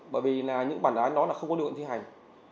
bởi vì những bản án đó không có điều kiện thi hành